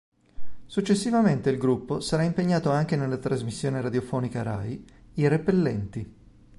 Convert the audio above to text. Successivamente il gruppo sarà impegnato anche nella trasmissione radiofonica Rai "I Repellenti".